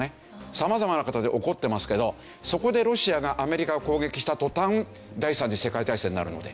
様々な事で怒ってますけどそこでロシアがアメリカを攻撃した途端第三次世界大戦になるので。